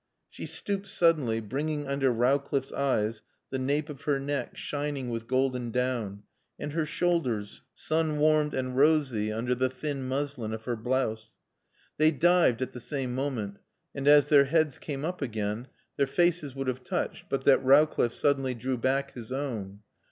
She stooped suddenly, bringing under Rowcliffe's eyes the nape of her neck, shining with golden down, and her shoulders, sun warmed and rosy under the thin muslin of her blouse. They dived at the same moment, and as their heads came up again their faces would have touched but that Rowcliffe suddenly drew back his own.